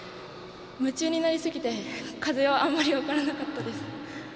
夢中になりすぎてあまり分からなかったです。